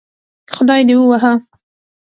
خدای دې ووهه